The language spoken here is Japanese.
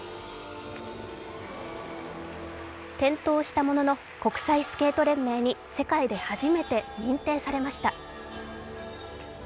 転倒したものの、国際スケート連盟に世界で初めて認定されました。